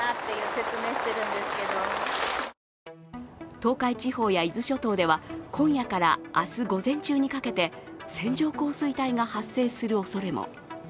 東海地方や伊豆諸島では今夜から明日午前中にかけて線状降水帯が発生するおそれも。